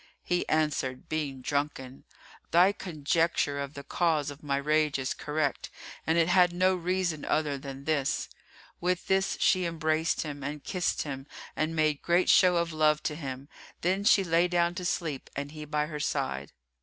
He answered (being drunken), "Thy conjecture of the cause of my rage is correct, and it had no reason other than this." With this she embraced him and kissed him and made great show of love to him; then she lay down to sleep and he by her side.